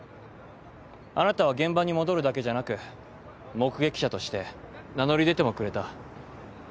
あなたは現場に戻るだけじゃなく目撃者として名乗り出てもくれた。